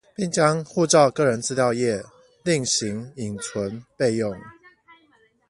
並將護照個人資料頁另行影存備用